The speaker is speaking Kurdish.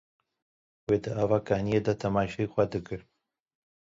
Wê di ava kanîyê de temaşî xwe dikir.